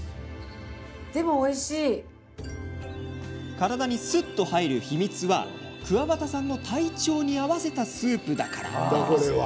体にすっと入る秘密はくわばたさんの体調に合わせたスープだから。